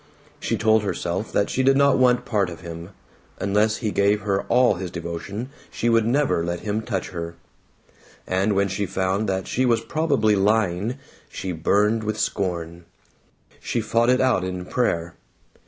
She told herself that she did not want part of him; unless he gave her all his devotion she would never let him touch her; and when she found that she was probably lying, she burned with scorn. She fought it out in prayer.